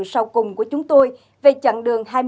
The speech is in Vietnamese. sau cùng của chúng tôi về chặng đường